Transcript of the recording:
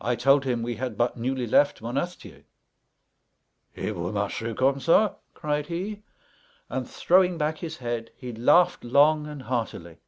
I told him, we had but newly left Monastier. "Et vous marchez comme ça!" cried he; and, throwing back his head, he laughed long and heartily.